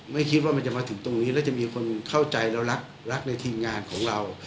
ไม่คิดว่ามันจะมาถึงตรงนี้แล้วจะมีคนเข้าใจแล้วรักรักในทีมงานของเรา